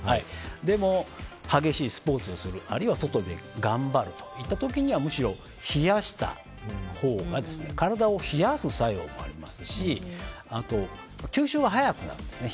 でも、激しいスポーツをするあるいは外で頑張る時はむしろ冷やしたほうが体を冷やす作用もありますしあと、吸収が早くなるんですね